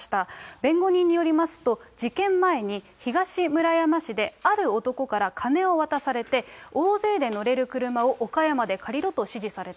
弁護人によりますと、事件前に、東村山市である男から金を渡されて、大勢で乗れる車を岡山で借りろと指示された。